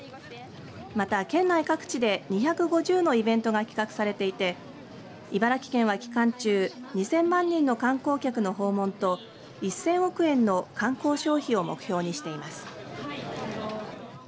また県内各地で２５０のイベントが企画されていて茨城県は期間中２０００万人の観光客の訪問と１０００億円の観光消費を目標にしています。